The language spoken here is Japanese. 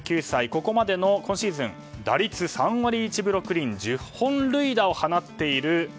ここまでの今シーズン打率３割１分６厘１０本塁打を放っている。